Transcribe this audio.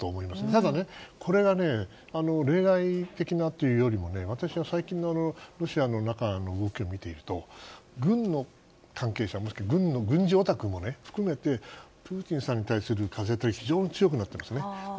ただ、これが例外的なというより私は最近のロシアの中の動きを見ていると軍の関係者もなんですがもしくは軍事オタクも含めてプーチンさんに対する風向きは非常に強くなってますね。